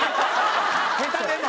下手でも？